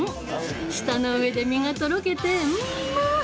舌の上で身がとろけて、うまっ！